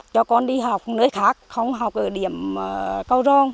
cho con đi học nơi khác không học ở điểm cầu rong